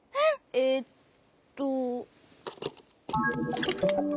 えっと。